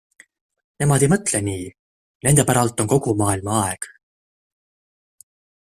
Nemad ei mõtle nii, nende päralt on kogu maailma aeg.